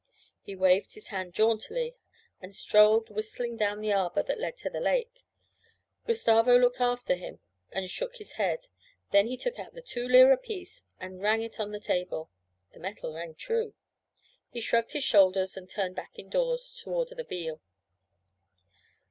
He waved his hand jauntily and strolled whistling down the arbour that led to the lake. Gustavo looked after him and shook his head. Then he took out the two lire piece and rang it on the table. The metal rang true. He shrugged his shoulders and turned back indoors to order the veal.